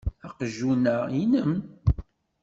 Aqjun-a inem.